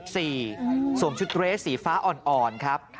สวมชุดเรสสีฟ้าอ่อนครับ